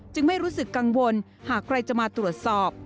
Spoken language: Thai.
ไม่รู้สึกกังวลหากใครจะมาตรวจสอบ